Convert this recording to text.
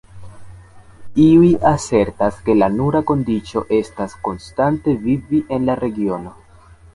Iuj asertas ke la nura kondiĉo estas konstante vivi en la regiono.